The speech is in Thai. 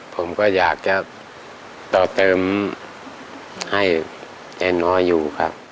ผมก็อยากจะต่อเติมให้เจ๊น้อยอยู่ครับ